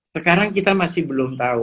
sekarang kita masih belum tahu